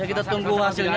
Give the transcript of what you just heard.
kita tunggu hasilnya